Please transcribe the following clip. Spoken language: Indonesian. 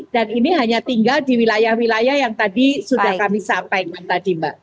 dan ini hanya tinggal di wilayah wilayah yang tadi sudah kami sampaikan tadi mbak